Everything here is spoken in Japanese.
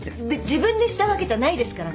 自分でしたわけじゃないですからね。